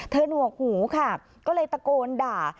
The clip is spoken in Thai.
หนวกหูค่ะก็เลยตะโกนด่า